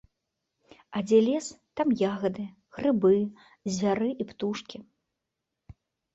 А дзе лес, там ягады, грыбы, звяры і птушкі.